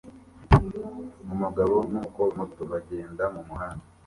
Umugabo n'umukobwa muto bagenda mumuhanda